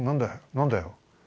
何だよ？」。